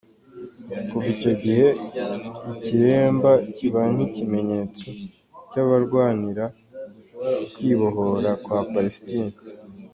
Kuva icyo gihe, ikiremba kiba nk’ikimenyetso cy’abarwanira ukwibohora kwa Palestine.